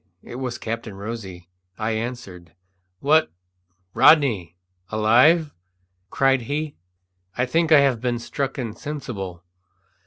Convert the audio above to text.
It was Captain Rosy. I answered. "What, Rodney! alive?" cried he. "I think I have been struck insensible."